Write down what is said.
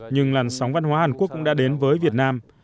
nhưng làn sóng văn hóa hàn quốc cũng đã đến với việt nam